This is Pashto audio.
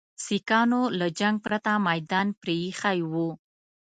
سیکهانو له جنګه پرته میدان پرې ایښی وو.